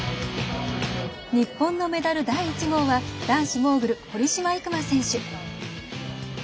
日本のメダル第１号は男子モーグル、堀島行真選手。